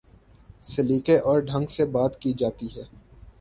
سلیقے اور ڈھنگ سے بات کی جاتی ہے۔